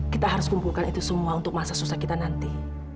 kita harus kumpulkan itu semua untuk masa susah kita nanti